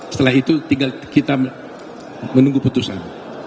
setelah itu tinggal kita menunggu putusan